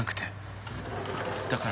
だから。